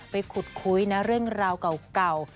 ไปขุดคุยนะเรื่องราวเก่า